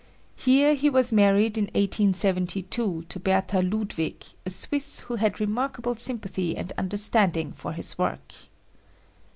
Here he was married in 1872 to Bertha Ludwig, a Swiss who had remarkable sympathy and understand ing for his work.